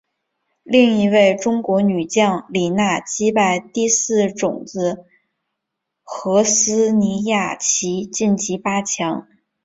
另一位中国女将李娜击败第四种籽禾丝妮雅琪晋级八强。